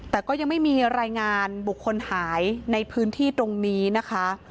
แต่ก็ยังไม่มีรายงานบุคคลหายในพื้นที่ตรงนี้นะคะ